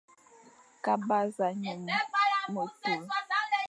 Kaba za nyum metul,